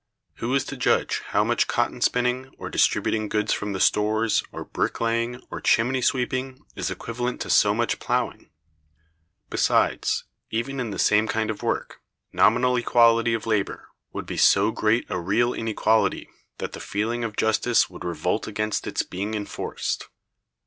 Who is to judge how much cotton spinning, or distributing goods from the stores, or brick laying, or chimney sweeping, is equivalent to so much plowing? Besides, even in the same kind of work, nominal equality of labor would be so great a real inequality that the feeling of justice would revolt against its being enforced.